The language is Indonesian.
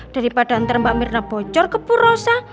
daripada ntar mbak mirna bocor ke bu rosa